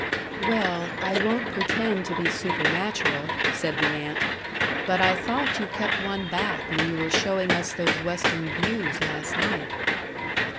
"Well, I won't pretend to be supernatural," said the aunt, "but I thought you kept one back when you were showing us those Western views last night."